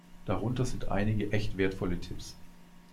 Darunter sind einige echt wertvolle Tipps.